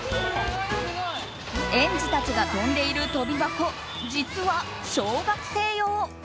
園児たちが跳んでいる跳び箱実は小学生用。